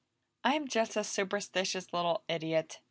"I'm just a superstitious little idiot!"